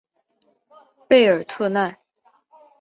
贝尔特奈。